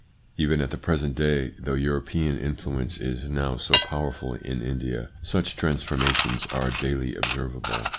Even at the present day, though European influence is now so powerful in India, such transformations are daily observable.